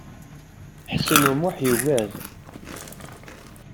Ḥsen U Muḥ yugad.